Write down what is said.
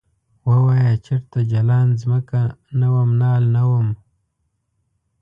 ووایه چرته جلان ځمکه نه وم نال نه وم ؟